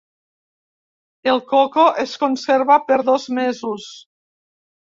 El coco es conserva per dos mesos.